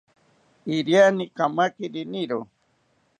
Iriani kamaki riniro